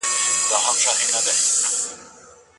ايا خاوند او ميرمن مصالحه کولای سي؟